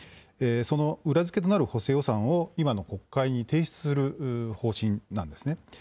その裏付けとなる補正予算を今の国会に提出する方針なんですね。